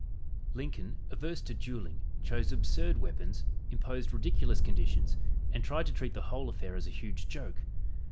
Lincoln, averse to dueling, chose absurd weapons, imposed ridiculous conditions and tried to treat the whole affair as a huge joke.